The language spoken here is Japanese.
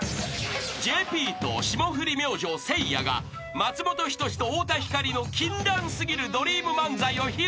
［ＪＰと霜降り明星せいやが松本人志と太田光の禁断過ぎるドリーム漫才を披露］